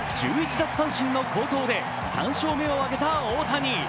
奪三振の好投で３勝目を挙げた大谷。